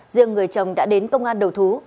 riêng người chồng đã đến công an đầu thú